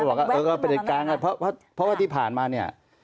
เราก็บอกว่าพระเด็กการครับเพราะว่าที่ผ่านมาเนี่ย